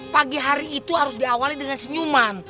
pagi hari itu harus diawali dengan senyuman